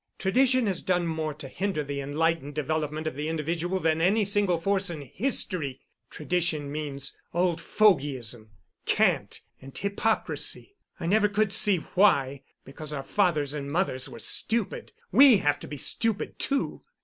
Tradition has done more to hinder the enlightened development of the individual than any single force in history. Tradition means old fogyism, cant and hypocrisy. I never could see why, because our fathers and mothers were stupid, we have to be stupid, too.